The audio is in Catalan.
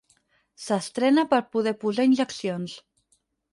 S'entrena per poder posar injeccions.